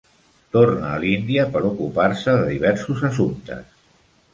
Torna a l'Índia per ocupar-se de diversos assumptes.